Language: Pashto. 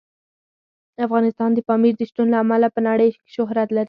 افغانستان د پامیر د شتون له امله په نړۍ شهرت لري.